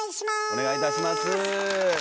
お願いいたします。